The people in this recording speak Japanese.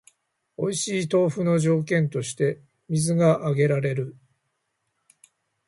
おいしい豆腐の条件として水が挙げられる